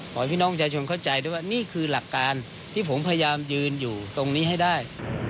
พี่น้องประชาชนเข้าใจด้วยว่านี่คือหลักการที่ผมพยายามยืนอยู่ตรงนี้ให้ได้